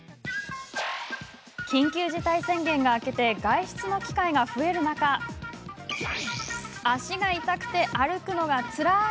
緊急事態宣言が明けて外出の機会が増える中「足が痛くて歩くのがつらい」